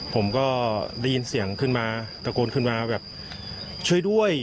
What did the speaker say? ผมก็ได้ยินเสียงขึ้นมาตะโกนขึ้นมาแบบช่วยด้วย